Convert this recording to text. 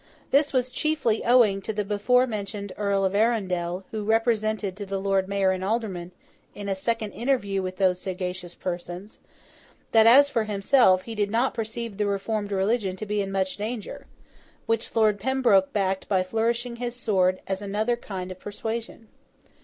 This was chiefly owing to the before mentioned Earl of Arundel, who represented to the Lord Mayor and aldermen, in a second interview with those sagacious persons, that, as for himself, he did not perceive the Reformed religion to be in much danger—which Lord Pembroke backed by flourishing his sword as another kind of persuasion.